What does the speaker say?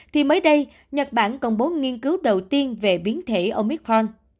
thì mới đây nhật bản công bố nghiên cứu đầu tiên về biến thể omicron